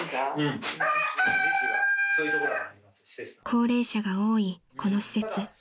［高齢者が多いこの施設］